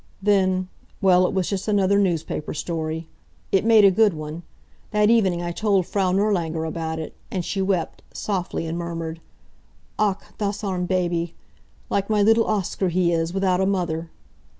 Then well, it was just another newspaper story. It made a good one. That evening I told Frau Nirlanger about it, and she wept, softly, and murmured: "Ach, das arme baby! Like my little Oscar he is, without a mother."